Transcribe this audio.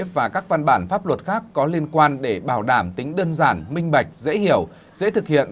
và các văn bản pháp luật khác có liên quan để bảo đảm tính đơn giản minh bạch dễ hiểu dễ thực hiện